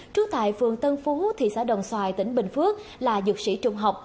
trú tại phường tân phú thị xã đồng xoài tỉnh bình phước là dược sĩ trung học